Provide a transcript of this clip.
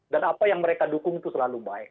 dan apa yang mereka dukung itu selalu baik